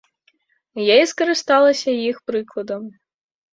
Я і скарысталася іх прыкладам.